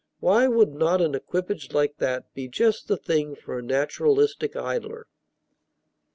Why would not an equipage like that be just the thing for a naturalistic idler?